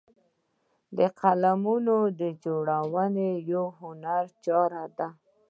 د فلمونو جوړونه یوه هنري چاره ده.